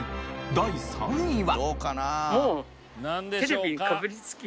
第３位は。